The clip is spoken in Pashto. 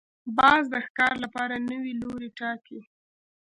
باز د ښکار لپاره نوی لوری ټاکي